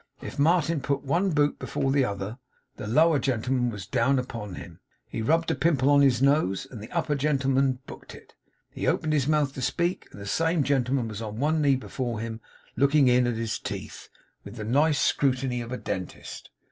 If Martin put one boot before the other, the lower gentleman was down upon him; he rubbed a pimple on his nose, and the upper gentleman booked it. He opened his mouth to speak, and the same gentleman was on one knee before him, looking in at his teeth, with the nice scrutiny of a dentist.